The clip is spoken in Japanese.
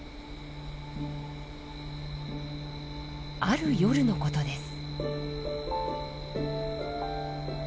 ある夜のことです。